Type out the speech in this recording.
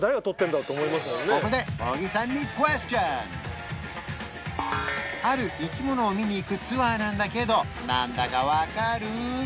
ここである生き物を見に行くツアーなんだけど何だか分かる？